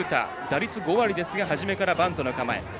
打率５割ですが初めからバントの構え。